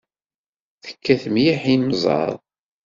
Tekkat mliḥ imẓad.